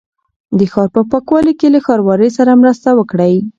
د ښار په پاکوالي کې له ښاروالۍ سره مرسته وکړئ.